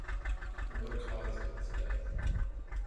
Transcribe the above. What caused its death?